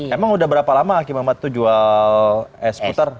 emang udah berapa lama aki mamat tuh jual es puter